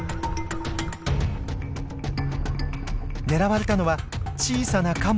狙われたのは小さなカモ。